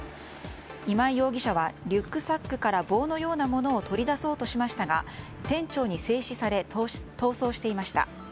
今井容疑者はリュックサックから棒のようなものを取り出そうとしましたが店長に制止され逃走していました。